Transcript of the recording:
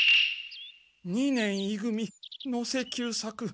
二年い組能勢久作。